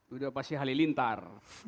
sudah pasti halilintar